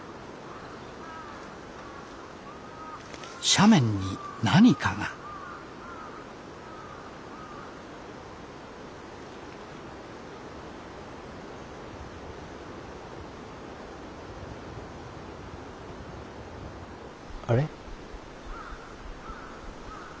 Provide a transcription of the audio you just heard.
斜面に何かがあれ？